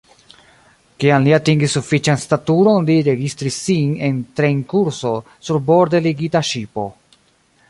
Kiam li atingis sufiĉan staturon, li registris sin en trejnkurso sur borde ligita ŝipo.